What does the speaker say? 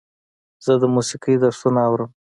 زه د موسیقۍ درسونه اورم.